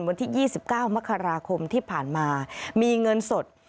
วันที่๒๙มกราคมที่ผ่านมามีเงินสด